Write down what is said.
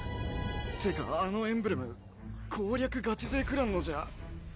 ってかあのエンブレム攻略ガチ勢クランのじゃ。